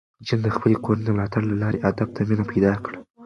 جین د خپلې کورنۍ د ملاتړ له لارې ادب ته مینه پیدا کړه.